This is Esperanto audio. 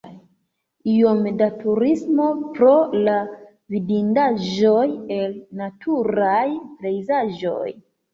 Iom da turismo pro la vidindaĵoj el naturaj pejzaĝoj.